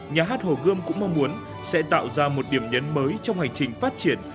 nhà hát hồ gươm cũng mong muốn sẽ tạo ra một điểm nhấn mới trong hành trình phát triển